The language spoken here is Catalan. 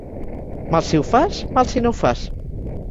Mal si ho fas, mal si no ho fas.